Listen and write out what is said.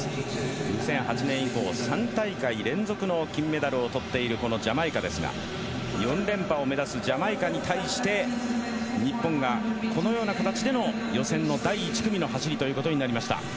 ２００８年以降３大会連続の金メダルを取っているこのジャマイカですが４連覇を目指すジャマイカに対して日本がこのような形での予選の第１組の走りとなりました。